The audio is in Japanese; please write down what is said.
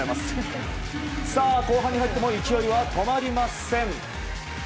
後半に入っても勢いは止まりません。